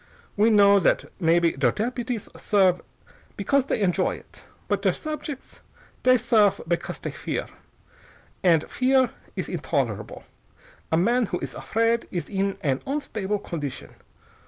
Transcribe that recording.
We know that maybe der deputies serf because they enjoy it. But der subjects? Dey serf because dey fear. Andt fear is intolerable. A man who is afraid is in an unstable gondition.